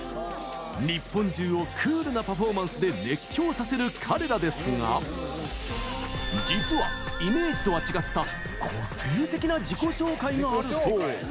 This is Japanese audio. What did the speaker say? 日本中をクールなパフォーマンスで熱狂させる彼らですが実は、イメージとは違った個性的な自己紹介があるそう。